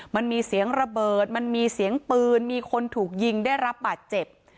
มันมีเสียงระเบิดมันมีเสียงปืนมีคนถูกยิงได้รับบาดเจ็บ